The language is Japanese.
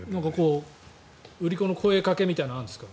売り子の声掛けみたいなのあるんですか？